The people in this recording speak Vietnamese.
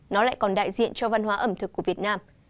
nó lại còn đại diện cho văn hóa ẩm thực của việt nam